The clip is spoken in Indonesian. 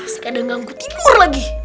sekadang aku tidur lagi